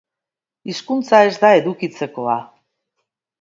Hizkuntza ez da edukitzekoa.